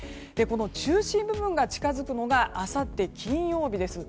中心の部分が近づくのがあさって金曜日です。